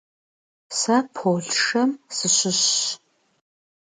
Сэ Полъшэм сыщыщщ.